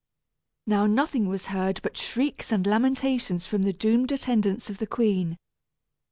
Now nothing was heard but shrieks and lamentations from the doomed attendants of the queen.